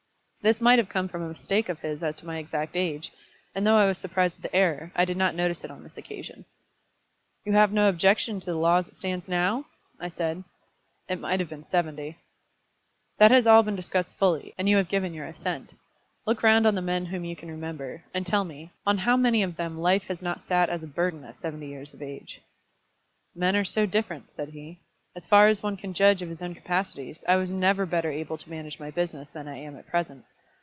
This might have come from a mistake of his as to my exact age; and though I was surprised at the error, I did not notice it on this occasion. "You have no objection to the law as it stands now?" I said. "It might have been seventy." "That has all been discussed fully, and you have given your assent. Look round on the men whom you can remember, and tell me, on how many of them life has not sat as a burden at seventy years of age?" "Men are so different," said he. "As far as one can judge of his own capacities, I was never better able to manage my business than I am at present.